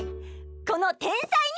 この天才に！